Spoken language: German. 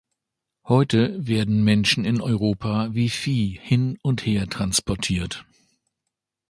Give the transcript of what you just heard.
Heute werden Menschen in Europa wie Vieh hin und her transportiert.